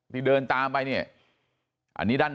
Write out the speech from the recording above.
ไม่รู้ตอนไหนอะไรยังไงนะ